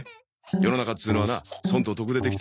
世の中っつうのはな損と得でできてるんだ。